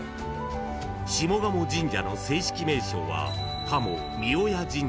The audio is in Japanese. ［下鴨神社の正式名称は］